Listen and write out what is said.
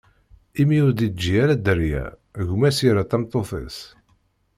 Imi ur d-iǧǧi ara dderya, gma-s yerra tameṭṭut-is.